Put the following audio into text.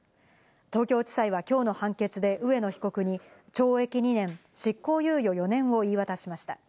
東京地裁はきょうの判決で植野被告に懲役２年、執行猶予４年を言い渡しました。